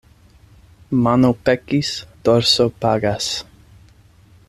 Mano pekis, dorso pagas.